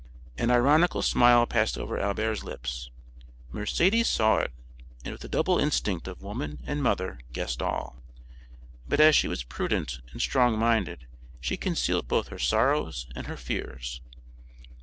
An ironical smile passed over Albert's lips. Mercédès saw it and with the double instinct of woman and mother guessed all; but as she was prudent and strong minded she concealed both her sorrows and her fears.